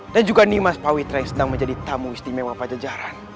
dan juga nimas pawitra yang sedang menjadi tamu istimewa pajajaran